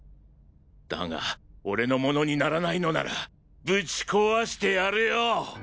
だが俺のものにならないのならぶち壊してやるよ！